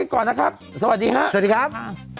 ก่อนนะครับสวัสดีครับสวัสดีครับ